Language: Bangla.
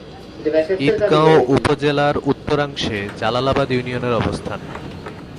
ঈদগাঁও উপজেলার উত্তরাংশে জালালাবাদ ইউনিয়নের অবস্থান।